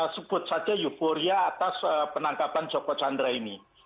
sebut saja euforia atas penangkapan joko chandra ini